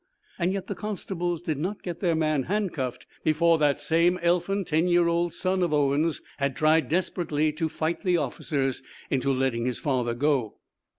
Yet the constables did not get their man handcuffed before that same elfin ten year old son of Owen's had tried desperately to fight the officers into letting his father go.